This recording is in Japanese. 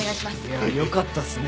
いやよかったっすね。